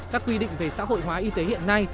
các quy định về xã hội hóa y tế hiện nay